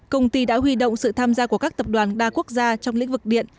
công ty đã huy động sự tham gia của các tập đoàn đa quốc gia trong lĩnh vực điện